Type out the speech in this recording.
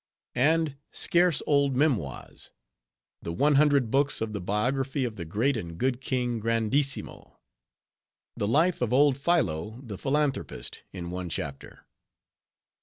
And scarce old memoirs:— "The One Hundred Books of the Biography of the Great and Good King Grandissimo." "The Life of old Philo, the Philanthropist, in one Chapter."